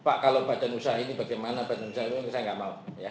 pak kalau badan usaha ini bagaimana badan usaha ini saya nggak mau